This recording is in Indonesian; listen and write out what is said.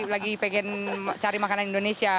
lagi pengen cari makanan indonesia